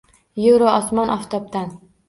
Yeru osmon, oftobdan